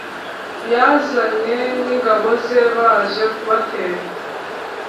yazanye n’ingabo ze baje kubatera